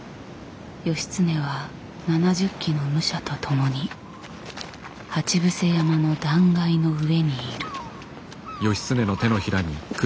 義経は７０騎の武者と共に鉢伏山の断崖の上にいる。